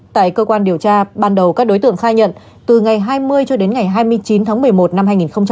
tại cơ quan điều tra ban đầu các đối tượng khai nhận từ ngày hai mươi cho đến ngày hai mươi chín tháng một mươi một năm hai nghìn hai mươi